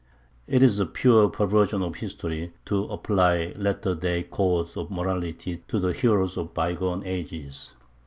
It is a pure perversion of history to apply latter day codes of morality to the heroes of bygone ages.